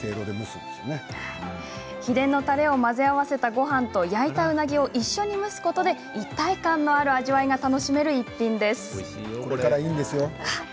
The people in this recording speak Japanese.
秘伝のたれを混ぜ合わせたごはんと焼いたうなぎを一緒に蒸すことで一体感のある味わいが楽しめる逸品です。